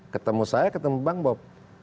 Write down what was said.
ketemu saya ketemu bang bob